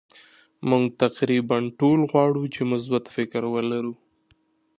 مونږ تقریبا ټول غواړو چې مثبت فکر ولرو.